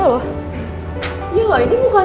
wah banyak banget lagi